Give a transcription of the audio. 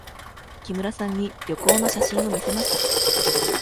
木村さんに旅行の写真を見せました。